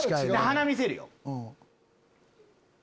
鼻見せるよ。